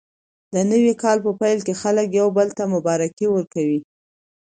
د نوي کال په پیل کې خلک یو بل ته مبارکي ورکوي.